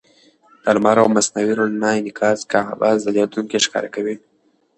د لمر او مصنوعي رڼا انعکاس کعبه ځلېدونکې ښکاره کوي.